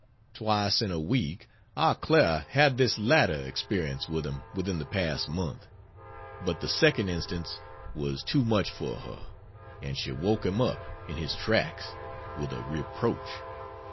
Twice in a week, our Clara had this latter experience with him within the past month. But the second instance was too much for her, and she woke him up, in his tracks, with a reproach.